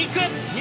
肉！